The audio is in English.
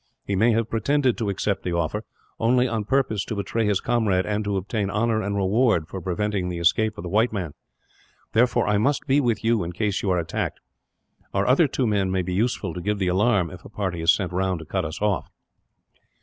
He may have pretended to accept the offer, only on purpose to betray his comrade, and to obtain honour and reward for preventing the escape of the white man. Therefore, I must be with you, in case you are attacked. Our other two men may be useful, to give the alarm, if a party is sent round to cut us off."